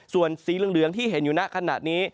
ส่วนสีเหลืองที่เห็นอยู่หน้าขณะนี้